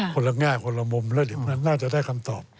คนละแง่คนละมุมแล้วเดี๋ยวมันน่าจะได้คำตอบ